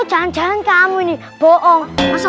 jangan jangan kamu ini bohong